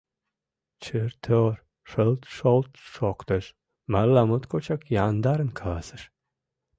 Чыр-тор, шылт-шолт шоктыш, марла моткочак яндарын каласыш: